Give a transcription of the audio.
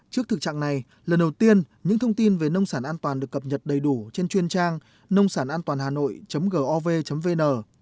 trước thực trạng này lần đầu tiên những thông tin về nông sản an toàn được cập nhật đầy đủ trên chuyên trang nông sản antonhanoi gov vn